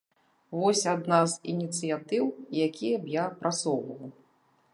Вось адна з ініцыятыў, якія б я прасоўваў.